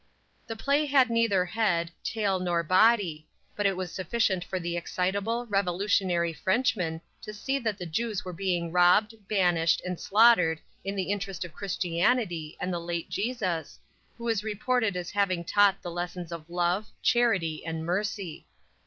The play had neither head, tail nor body, but it was sufficient for the excitable, revolutionary Frenchman to see that the Jews were being robbed, banished and slaughtered in the interest of Christianity and the late Jesus, who is reported as having taught the lessons of "love," "charity" and "mercy!"